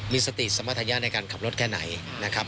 มีสติสมรรถะในการขับรถแค่ไหนนะครับ